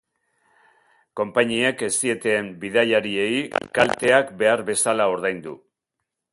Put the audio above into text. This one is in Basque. Konpainiek ez zieten bidaiariei kalteak behar bezala ordaindu.